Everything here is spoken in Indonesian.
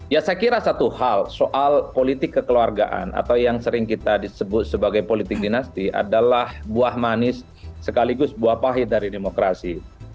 ya saya kira satu hal soal politik kekeluargaan atau yang sering kita disebut sebagai politik dinasti adalah buah manis sekaligus buah pahit dari demokrasi